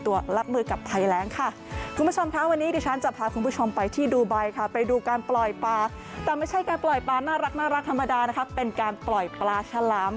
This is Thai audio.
อะไรรักธรรมดาเป็นการปล่อยปลาฉลาม